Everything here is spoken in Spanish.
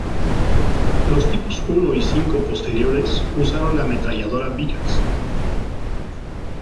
Los tipos I y V posteriores usaron la ametralladora Vickers.